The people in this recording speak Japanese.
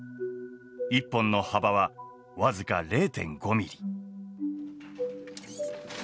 １本の幅は僅か０．５ミリ。